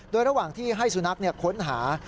โดยระหว่างที่ให้สุนัขค้นหา